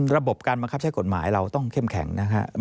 ระบบการบังคับใช้กฎหมายเราต้องเข้มแข็งนะครับ